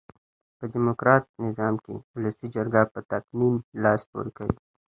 په ډیموکرات نظام کښي اولسي جرګه په تقنين لاس پوري کوي.